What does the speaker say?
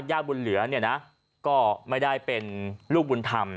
บุญเหลือเนี่ยนะก็ไม่ได้เป็นลูกบุญธรรม